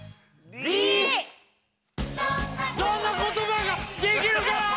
どんな言葉ができるかなー！